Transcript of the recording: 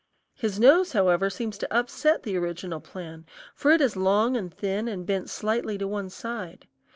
His nose, however, seems to upset the original plan, for it is long and thin and bent slightly to one side.